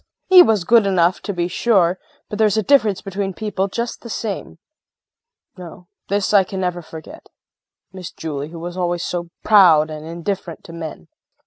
He was good enough, to be sure, but there's a difference between people just the same. No, this I can never forget. Miss Julie who was always so proud and indifferent to men!